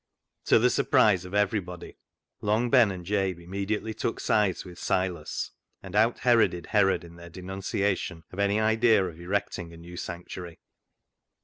To the surprise of everybody, Long Ben and Jabe immediately took sides with Silas, and out Heroded Herod in their denunciation of any idea of erecting a new sanctuary.